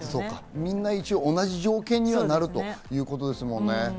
みんな一応、同じ条件にはなるということですもんね。